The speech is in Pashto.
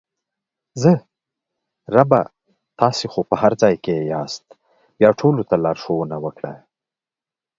زه: ربه تاسې خو په هر ځای کې یاست بیا ټولو ته لارښوونه وکړه!